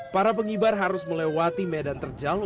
para pengibar harus melewati medan terjal